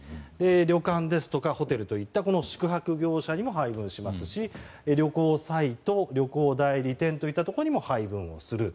旅館ですとかホテルといった宿泊業者にも配分しますし旅行サイト、旅行代理店にも配分をする。